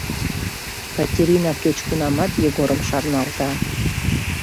Катерина кеч кунамат Егорым шарналта.